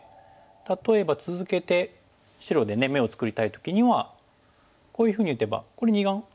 例えば続けて白で眼を作りたい時にはこういうふうに打てばこれ二眼ありそうですよね。